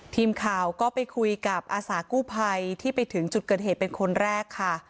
ทีมข่าวก็ไปคุยกับอาสากู้ภัยที่ไปถึงจุดเกิดเหตุเป็นคนแรกค่ะ